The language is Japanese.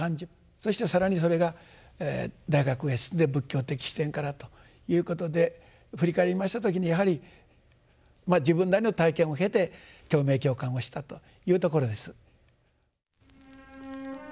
そして更にそれが大学へ進んで仏教的視点からということで振り返りました時にやはり自分なりの体験を経て共鳴共感をしたというところです。